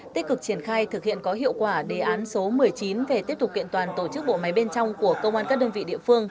tích cực triển khai thực hiện có hiệu quả đề án số một mươi chín về tiếp tục kiện toàn tổ chức bộ máy bên trong của công an các đơn vị địa phương